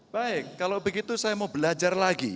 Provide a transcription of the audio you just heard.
baik kalau begitu saya mau belajar lagi